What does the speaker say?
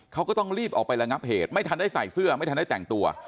เขาก็ต้องรีบออกไประงับเหตุไม่ทันได้ใส่เสื้อไม่ทันได้แต่งตัว